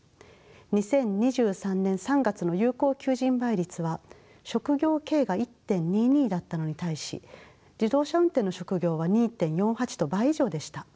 ２０２３年３月の有効求人倍率は職業計が１．２２だったのに対し自動車運転の職業は２．４８と倍以上でした。